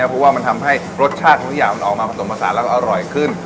เพราะว่ามันทำให้รสชาติทุกอย่างมันออกมาผสมผสานแล้วก็อร่อยขึ้น